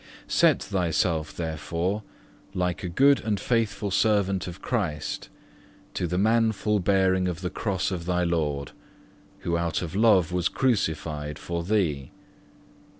10. Set thyself, therefore, like a good and faithful servant of Christ, to the manful bearing of the Cross of thy Lord, who out of love was crucified for thee.